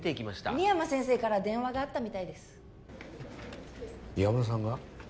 深山先生から電話があったみたい岩村さんが？